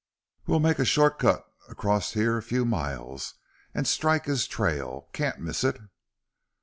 "We'll make a short cut across here a few miles, an' strike his trail. Can't miss it."